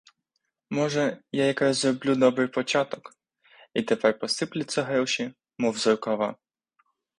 Може, я якраз зроблю добрий початок, і тепер посиплються гроші, мов з рукава.